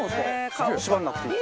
縛らなくていい。